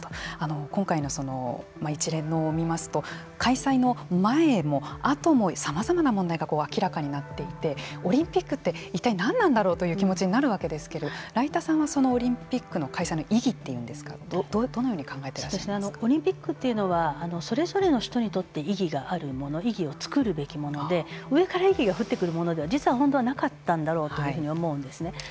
今回の一連のものを見ますと開催の前も後もさまざまな問題が明らかになっていってオリンピックって一体何だろうという気持ちになるわけですけれども來田さんはオリンピックの開催の意義というのですかどのようにオリンピックというのはそれぞれの人にとって意義があるもの意義を作るべきもので上から意義が降ってくるものでは実は本当はなかったんだろうと思うんですね。